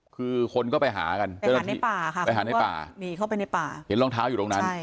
คือคนก็ไปหากันไปหาในป่ามีเข้าไปในป่าเห็นรองเท้าอยู่ตรงนั้น